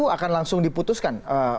akan langsung diputuskan